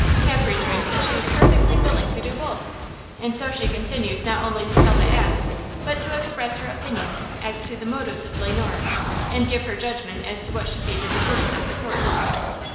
Cap rejoined that she was perfectly willing to do both! And so she continued not only to tell the acts, but to express her opinions as to the motives of Le Noir, and give her judgment as to what should be the decision of the court.